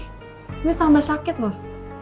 ini tambah sakit loh